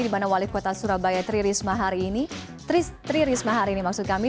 dimana walid kota surabaya tri risma hari ini tri risma hari ini maksud kami